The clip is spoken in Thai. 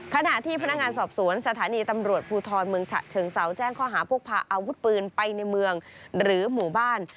ขณะที่พนักงานสอบสวนสถานีตำรวจภูทรเมืองฉะเชิงเซาแจ้งข้อหาพกพาอาวุธปืนไปในเมืองหรือหมู่บ้าน